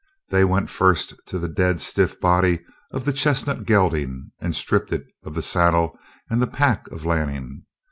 They went first to the dead, stiff body of the chestnut gelding and stripped it of the saddle and the pack of Lanning.